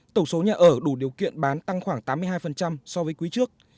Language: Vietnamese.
tổng số nhà ở đủ điều kiện bán tăng khoảng tám mươi hai so với quý trước